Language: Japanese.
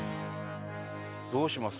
どうします？